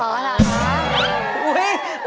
อ๋อนะ